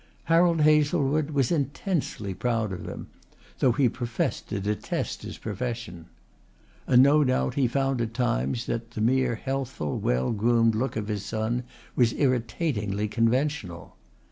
Harold Hazlewood was intensely proud of him, though he professed to detest his profession. And no doubt he found at times that the mere healthful, well groomed look of his son was irritatingly conventional.